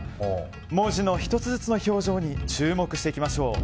文字の１つずつの表情に注目していきましょう。